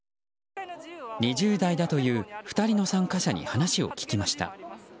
２０代だという２人の参加者に話を聞きました。